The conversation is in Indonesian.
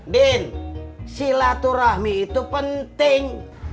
din silaturahmi itu penting